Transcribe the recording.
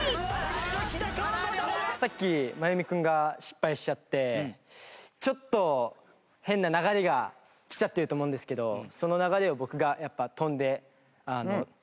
さっき真弓君が失敗しちゃってちょっと変な流れがきちゃってると思うんですけどその流れを僕が跳んで。